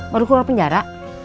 baru keluar penjara